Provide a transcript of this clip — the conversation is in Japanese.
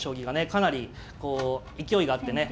かなりこう勢いがあってね